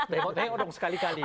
dekot dekot dong sekali kali